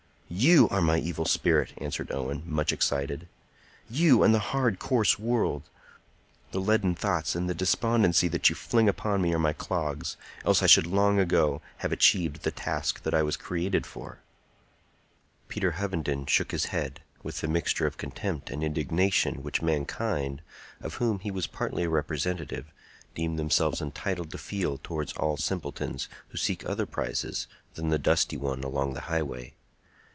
"You are my evil spirit," answered Owen, much excited,—"you and the hard, coarse world! The leaden thoughts and the despondency that you fling upon me are my clogs, else I should long ago have achieved the task that I was created for." Peter Hovenden shook his head, with the mixture of contempt and indignation which mankind, of whom he was partly a representative, deem themselves entitled to feel towards all simpletons who seek other prizes than the dusty one along the highway.